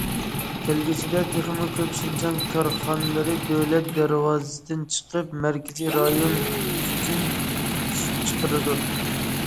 كەلگۈسىدە، تېخىمۇ كۆپ شىنجاڭ كارخانىلىرى دۆلەت دەرۋازىسىدىن چىقىپ، مەركىزىي رايون ئۈچۈن كۈچ چىقىرىدۇ.